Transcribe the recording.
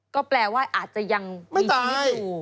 ก็แปลว่าอาจจะยังมีชีวิตอยู่